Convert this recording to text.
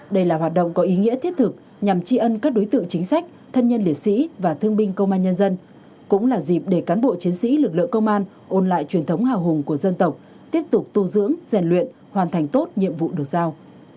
đây là hoạt động có ý nghĩa thiết thực nhằm tri ân các đối tượng chính sách thân nhân liệt sĩ và thương binh công an nhân dân cũng là dịp để cán bộ chiến sĩ lực lượng công an ôn lại truyền thống hào hùng của dân tộc tiếp tục tu dưỡng rèn luyện hoàn thành tốt nhiệm vụ được giao